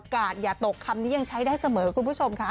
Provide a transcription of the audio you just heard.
อย่าตกคำนี้ยังใช้ได้เสมอคุณผู้ชมค่ะ